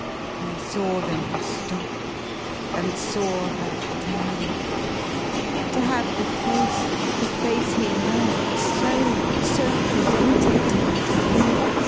He saw them stop, and saw her turn to have the face, the face he loved so, so presented to his view!